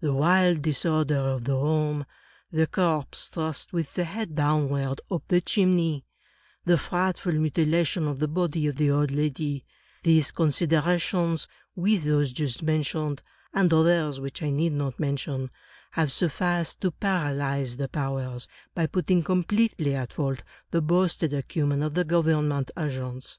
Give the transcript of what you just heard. The wild disorder of the room; the corpse thrust, with the head down ward, up the chimney; the frightful mutilation of the body of the old lady; these considerations, with those just mentioned, and others which I need not mention, have sufficed to paralyze the powers, by putting completely at fault the boasted acumen of the government agents.